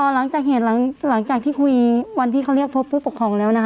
อ๋อหลังจากเหตุหลังหลังจากที่คุยวันที่เขาเรียกโทรฟุทธ์ปกครองแล้วนะคะ